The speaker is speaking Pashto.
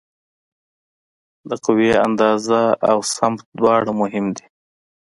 د قوې اندازه او سمت دواړه مهم دي.